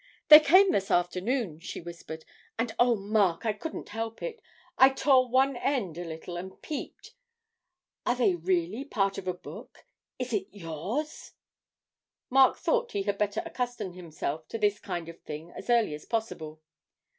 'They came this afternoon,' she whispered, 'and oh, Mark, I couldn't help it; I tore one end a little and peeped; are they really part of a book is it yours?' Mark thought he had better accustom himself to this kind of thing as early as possible.